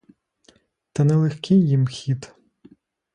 Та не легкий їм хід.